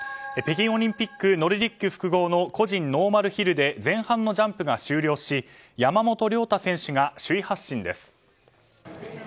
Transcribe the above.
北京オリンピックノルディック複合の個人ノーマルヒルで前半のジャンプが終了し山本涼太選手が首位発進です。